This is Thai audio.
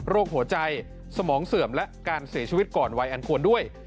หัวใจสมองเสื่อมและการเสียชีวิตก่อนวัยอันควรด้วย